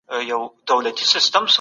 زه هیڅکله چاته په کار کي ضرر نه رسوم.